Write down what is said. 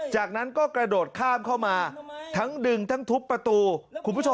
จากนั้นก็กระโดดข้ามเข้ามาทั้งดึงทั้งทุบประตูคุณผู้ชม